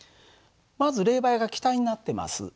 まず冷媒が気体になってます。